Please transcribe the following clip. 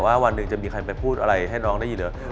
ว่าวันนึงจะมีใครไปพูดอะไรให้น้องได้อย่างเดียว